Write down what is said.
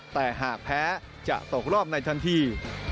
แต่หากแพ้จะตกรอบในทันที